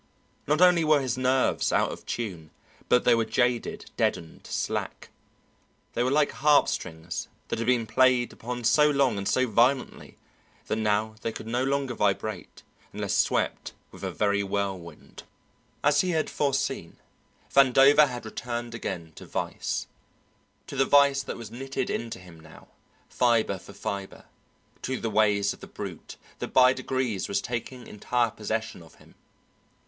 Not only were his nerves out of tune, but they were jaded, deadened, slack; they were like harpstrings that had been played upon so long and so violently that now they could no longer vibrate unless swept with a very whirlwind. As he had foreseen, Vandover had returned again to vice, to the vice that was knitted into him now, fibre for fibre, to the ways of the brute that by degrees was taking entire possession of him.